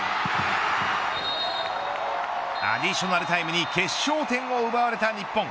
アディショナルタイムに決勝点を奪われた日本。